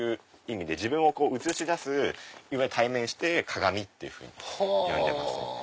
自分を映し出す対面して鏡っていうふうに呼んでます。